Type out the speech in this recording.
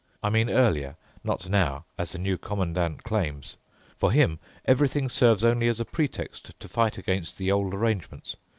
I mean earlier, not now, as the New Commandant claims. For him everything serves only as a pretext to fight against the old arrangements.